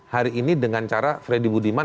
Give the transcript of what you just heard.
hari ini dengan cara freddy budiman